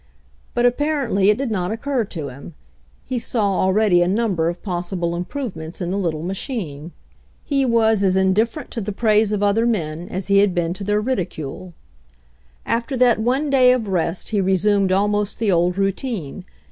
But apparently it did not, occur to him. He saw already a number of possible improvements in the little machine. He was as indifferent to 92 ENTER COFFEE JIM 93 the praise of other men as he had been to their ridicule. After that one day of rest he resumed almost the old routine.